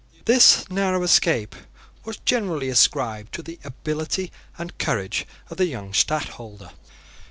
This narrow escape was generally ascribed to the ability and courage of the young Stadtholder.